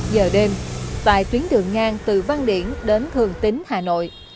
hai mươi một giờ đêm tại tuyến đường ngang từ văn điển đến thường tín hà nội